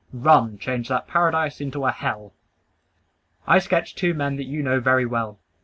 Rum changed that paradise into a hell! I sketch two men that you know very well.